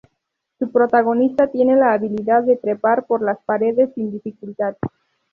Su protagonista tiene la habilidad de trepar por las paredes sin dificultad.